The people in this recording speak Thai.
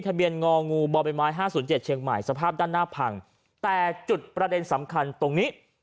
เบียงองูบ่อใบไม้๕๐๗เชียงใหม่สภาพด้านหน้าพังแต่จุดประเด็นสำคัญตรงนี้